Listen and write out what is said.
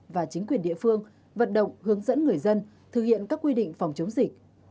và chính quyền địa phương vận động hướng dẫn người dân thực hiện các quy định phòng chống dịch